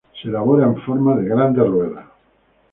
Se elabora en forma de grandes ruedas.